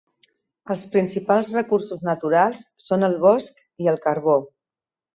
Els principals recursos naturals són el bosc i el carbó.